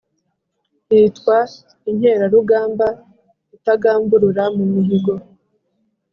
Nkitwa inkerarugamba itagamburura mu mihigo